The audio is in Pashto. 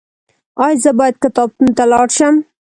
ایا زه باید کتابتون ته لاړ شم؟